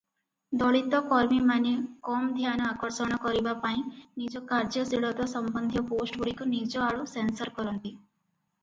ଦଳିତ କର୍ମୀମାନେ କମ ଧ୍ୟାନ ଆକର୍ଷଣ କରିବା ପାଇଁ ନିଜ କାର୍ଯ୍ୟଶୀଳତା ସମ୍ବନ୍ଧୀୟ ପୋଷ୍ଟଗୁଡ଼ିକୁ ନିଜ ଆଡ଼ୁ ସେନ୍ସର କରନ୍ତି ।